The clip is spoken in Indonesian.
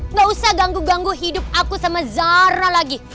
nggak usah ganggu ganggu hidup aku sama zara lagi